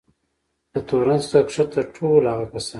له تورن څخه کښته ټول هغه کسان.